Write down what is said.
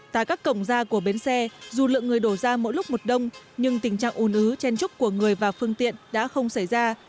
tại các cổng ra của bến xe dù lượng người đổ ra mỗi lúc một đông nhưng tình trạng ùn ứ chen trúc của người và phương tiện đã không xảy ra